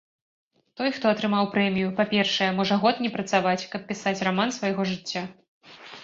Той, хто атрымаў прэмію, па-першае, можа год не працаваць, каб пісаць раман свайго жыцця.